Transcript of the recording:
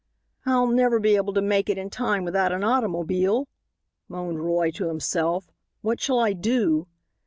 "I'll never be able to make it in time without an automobile," moaned Roy to himself; "what shall I do?"